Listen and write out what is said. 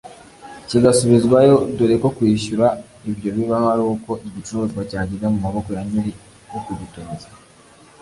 kigasubizwayo dore ko kwishyura byo bibaho ari uko igicuruzwa cyageze mu maboko ya nyiri ukugitumiza